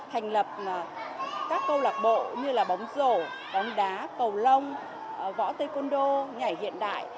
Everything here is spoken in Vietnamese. thành lập các câu lạc bộ như là bóng rổ bóng đá cầu lông võ tây côn đô nhảy hiện đại